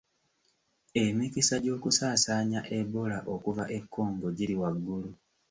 Emikisa gy'okusaasaanya Ebola okuva e Congo giri waggulu.